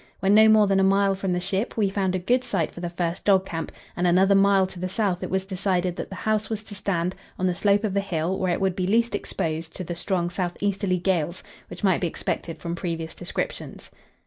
When no more than a mile from the ship, we found a good site for the first dog camp, and another mile to the south it was decided that the house was to stand, on the slope of a hill, where it would be least exposed to the strong south easterly gales which might be expected from previous descriptions.